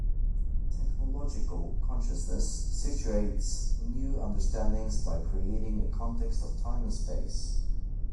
Technological consciousness situates new understandings by creating a context of time and space.